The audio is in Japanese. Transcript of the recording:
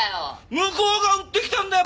向こうが売ってきたんだよ